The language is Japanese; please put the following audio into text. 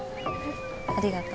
ありがと。